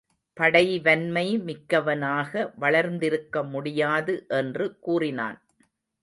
படைவன்மை மிக்கவனாக வளர்ந்திருக்க முடியாது என்று கூறினான்.